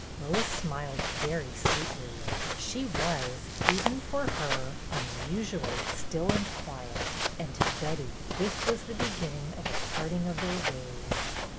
Lois smiled very sweetly. She was, even for her, unusually still and quiet, and to Betty this was the beginning of the parting of their ways.